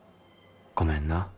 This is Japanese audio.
ごめんな」。